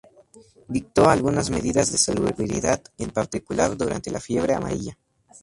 Dictó algunas medidas de salubridad, en particular durante la fiebre amarilla.